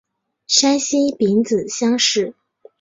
山西丙子乡试。